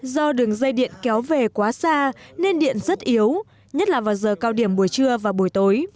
do đường dây điện kéo về quá xa nên điện rất yếu nhất là vào giờ cao điểm buổi trưa và buổi tối